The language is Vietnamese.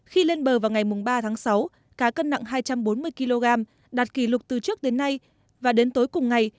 khi lên bờ vào ngày ba tháng sáu cá cân nặng hai trăm bốn mươi kg đạt kỷ lục từ trước đến nay và đến tối cùng ngày